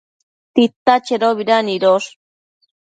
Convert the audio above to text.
Tita chedobida nidosh?